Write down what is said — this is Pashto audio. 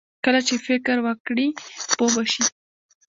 کله چې فکر وکړې، پوه به شې!